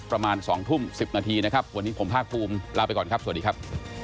ประมาณ๒ทุ่ม๑๐นาทีนะครับวันนี้ผมภาคภูมิลาไปก่อนครับสวัสดีครับ